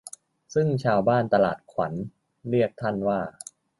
ซึ่งชาวบ้านตลาดขวัญเรียกท่านว่า